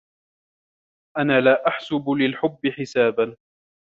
أنا لا أحسب للحبّ حسابا.